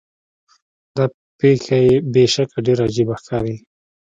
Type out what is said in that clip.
دا پیښه بې شکه ډیره عجیبه ښکاري.